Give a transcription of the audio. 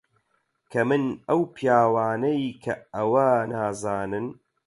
کەمن ئەو پیاوانەی کە ئەوە نازانن.